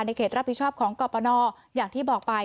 เขตรับผิดชอบของกรปนอย่างที่บอกไป